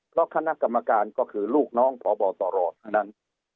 เพราะคณะกรรมการก็คือลูกน้องพบตรทั้งนั้น